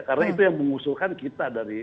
karena itu yang mengusulkan kita dari